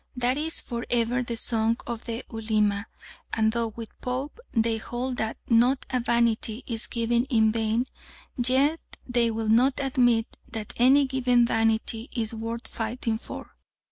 that is for ever the song of the Ulema, and though with Pope they hold that "Not a vanity is given in vain," yet they will not admit that any given vanity is worth fighting for.